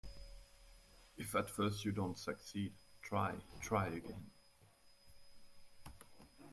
If at first you don't succeed, try, try again.